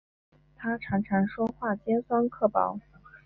她常常说话尖酸刻薄